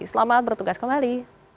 selamat bertugas kembali